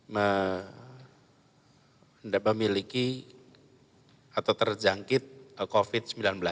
memiliki atau terjangkit covid sembilan belas